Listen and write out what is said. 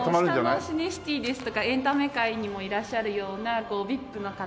下のシネシティですとかエンタメ界にもいらっしゃるようなＶＩＰの方。